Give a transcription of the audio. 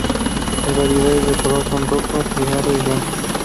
Las variedades de color son rojo, atigrado y blanco.